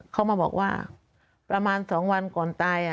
เขามาบอกว่าประมาณ๒วันก่อนตาย